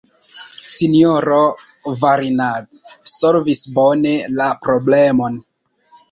S-ro Varinard solvis bone la problemon.